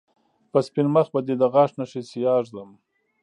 په سپين مخ به دې د غاښ نښې سياه ږدم